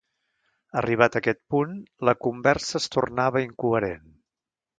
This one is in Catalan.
Arribat aquest punt, la conversa es tornava incoherent.